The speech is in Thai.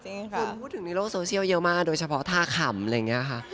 คือพูดถึงในโลกโซเชียลเยอะมากโดยเฉพาะท่าขำอะไรอย่างนี้ค่ะ